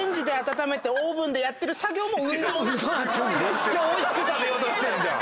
めっちゃおいしく食べようとしてんじゃん。